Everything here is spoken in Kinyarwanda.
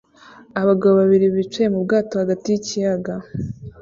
Abagabo babiri bicaye mu bwato hagati yikiyaga